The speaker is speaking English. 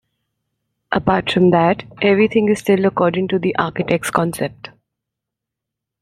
Apart from that, everything is still according to the architect's concept.